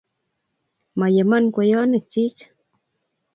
moyemon kweyonikchich